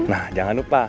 nah jangan lupa